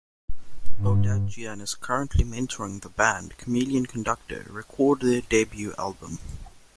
Odadjian is currently mentoring the band Chameleon Conductor record their debut album.